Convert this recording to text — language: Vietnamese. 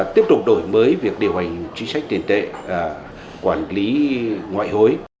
tiếp tục đổi mới việc điều hành chính sách tiền tệ quản lý ngoại hối